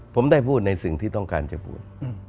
ผมได้พูดในสิ่งที่ต้องการจะพูด